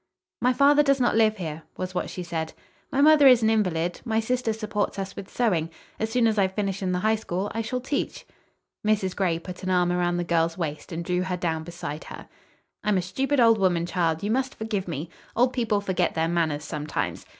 "My father does not live here," was what she said. "My mother is an invalid. My sister supports us with sewing. As soon as I finish in the High School, I shall teach." Mrs. Gray put an arm around the girl's waist and drew her down beside her. "I'm a stupid old woman, child. You must forgive me. Old people forget their manners sometimes.